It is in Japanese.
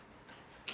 君！